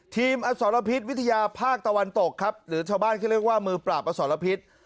อสรพิษวิทยาภาคตะวันตกครับหรือชาวบ้านเขาเรียกว่ามือปราบอสรพิษ